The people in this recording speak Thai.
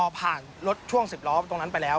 ผ่านรถช่วง๑๐ล้อตรงนั้นไปแล้ว